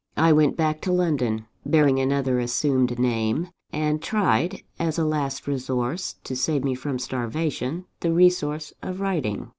"I went back to London, bearing another assumed name; and tried, as a last resource to save me from starvation, the resource of writing.